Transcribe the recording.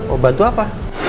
oh bantu apa